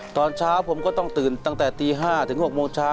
ตอนเช้าผมก็ต้องตื่นตั้งแต่ตี๕ถึง๖โมงเช้า